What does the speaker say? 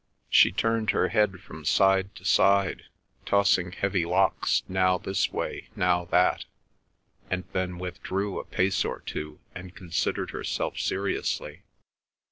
She turned her head from side to side, tossing heavy locks now this way now that; and then withdrew a pace or two, and considered herself seriously.